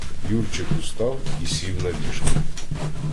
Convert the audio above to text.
Юрчик устав і сів на ліжку.